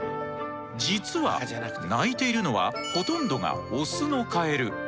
実は鳴いているのはほとんどがオスのカエル。